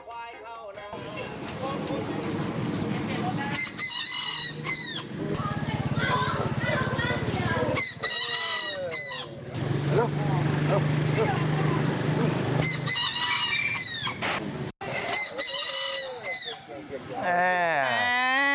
พอไก่เข้ามาเข้ามาเดียว